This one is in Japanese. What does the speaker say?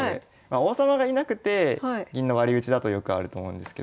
王様がいなくて銀の割り打ちだとよくあると思うんですけど。